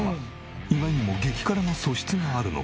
意外にも激辛の素質があるのか。